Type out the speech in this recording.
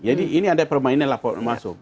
jadi ini ada permainan laporan masuk